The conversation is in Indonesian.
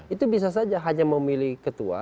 itu bisa saja hanya memilih ketua